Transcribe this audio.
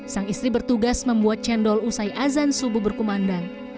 sang istri bertugas membuat cendol usai azan subuh berkumandang